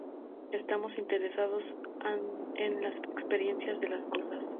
Estamos interesados en las experiencias de las cosas.